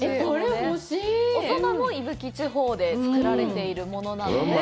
お蕎麦も伊吹地方で作られているもので。